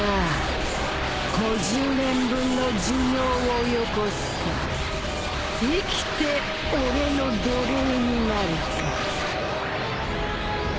５０年分の寿命をよこすか生きて俺の奴隷になるか。